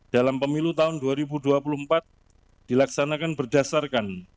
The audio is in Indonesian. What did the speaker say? dalam pemilu tahun dua ribu dua puluh empat dilaksanakan berdasarkan